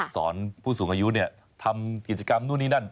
สอนผู้สูงอายุทำกิจกรรมนู่นนี่นั่น